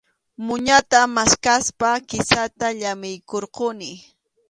Muñata maskaspa kisata llamiykurquni.